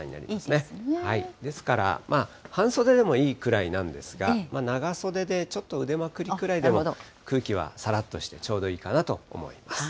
ですから、半袖でもいいくらいなんですが、長袖でちょっと腕まくりくらいでも空気はさらっとして、ちょうどいいかなと思います。